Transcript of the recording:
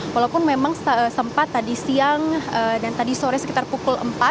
walaupun memang sempat tadi siang dan tadi sore sekitar pukul empat